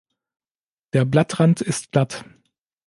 Der Blattrand ist glatt.